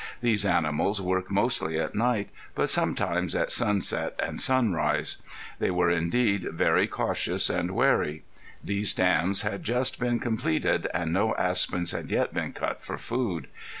These animals worked mostly at night, but sometimes at sunset and sunrise. They were indeed very cautious and wary. These dams had just been completed and no aspens had yet been cut for food.